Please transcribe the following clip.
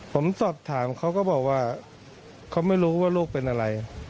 ผมสอบถามเขาก็บอกว่าเขาไม่รู้ว่าลูกเป็นอะไร